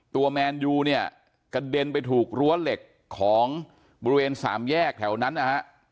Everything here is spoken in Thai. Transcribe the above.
แมนยูเนี่ยกระเด็นไปถูกรั้วเหล็กของบริเวณสามแยกแถวนั้นนะฮะ